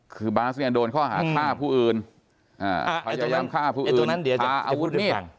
คือบาสเนี่ยโดนข้อหาฆ่าผู้อื่นพยายามฆ่าผู้อื่นจะอาวุธมีด